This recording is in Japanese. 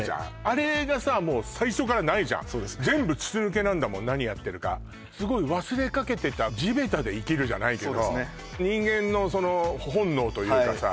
あれがさもう最初からないじゃん全部筒抜けなんだもん何やってるかすごい忘れかけてた地べたで生きるじゃないけど人間のその本能というかさ